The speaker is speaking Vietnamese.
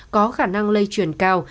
có khả năng lây truyền cao